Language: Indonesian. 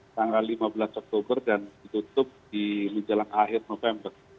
tanggal lima belas oktober dan ditutup di menjelang akhir november